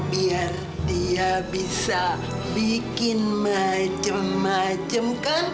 biar dia bisa bikin macem macem kan